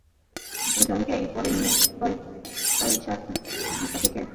দুজনকেই পরে বিনে পয়সায় ঢাকা থেকে ডাকারে নিয়ে যায় টার্কিশ এয়ারলাইনস।